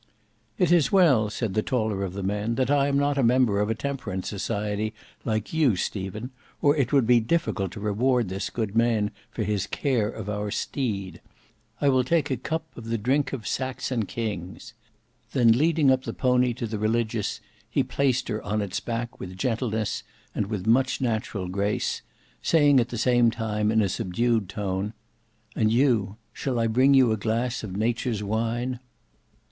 "It is well," said the taller of the men "that I am not a member of a temperance society like you, Stephen, or it would be difficult to reward this good man for his care of our steed. I will take a cup of the drink of Saxon kings." Then leading up the pony to the Religious, he placed her on its back with gentleness and much natural grace, saying at the same time in a subdued tone, "And you—shall I bring you a glass of nature's wine?"